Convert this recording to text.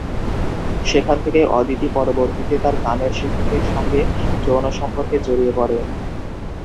সেখান থেকেই অদিতি পরবর্তীতে তার গানের শিক্ষকের সঙ্গে যৌন সম্পর্কে জড়িয়ে পড়ে।